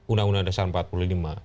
undang undang dasar empat puluh lima